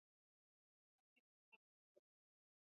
Kulingana naye nyama hiyo ya mbwa na